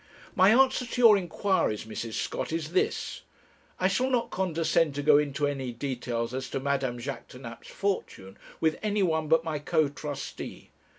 'My answer to your inquiries, Mrs. Scott, is this I shall not condescend to go into any details as to Madame Jaquêtanàpe's fortune with anyone but my co trustee.